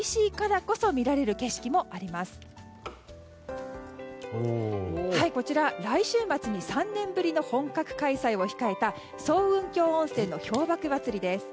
こちら、来週末に３年ぶりの本格開催を迎えた層雲峡温泉の氷瀑まつりです。